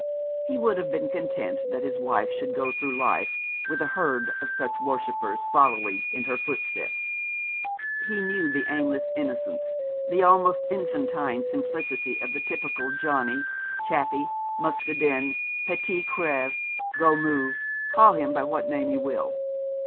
He would have been content that his wife should go through life with a herd of such worshippers following in her footsteps. He knew the aimless innocence, the almost infantine simplicity of the typical Johnnie, Chappie, Muscadin, Petit Creve, Gommeux call him by what name you will.